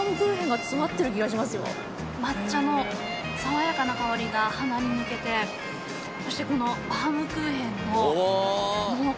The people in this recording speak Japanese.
抹茶の爽やかな香りが鼻に抜けてそしてこのバウムクーヘンの濃厚さ。